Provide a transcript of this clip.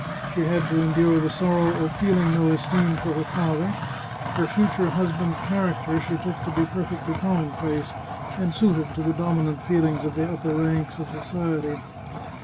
She had to endure the sorrow of feeling no esteem for her father ; her future husband's char acter she took to be perfectly commonplace, and suited to the dominant feelings of the upper ranks of society.